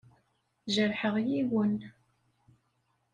Jerḥeɣ yiwen.